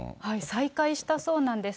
再会したそうなんです。